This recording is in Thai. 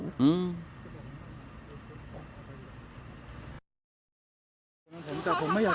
ก็อย่าขอโทษอะไรอีกฝั่งด้วยค่ะ